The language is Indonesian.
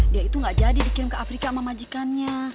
dia itu gak jadi dikirim ke afrika sama majikannya